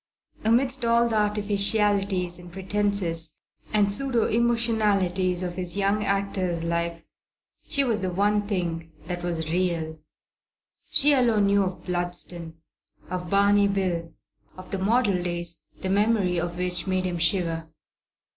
Amidst all the artificialities and pretences and pseudo emotionalities of his young actor's life, she was the one thing that was real. She alone knew of Bludston, of Barney Bill, of the model days the memory of which made him shiver.